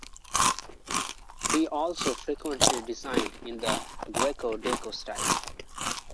He also frequently designed in the Greco Deco style.